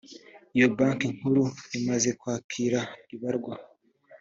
iyo banki nkuru imaze kwakira ibarwa